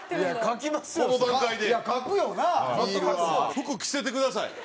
服着せてください。